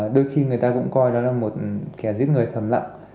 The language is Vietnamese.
đôi khi người ta cũng coi đó là một kẻ giết người thầm lặng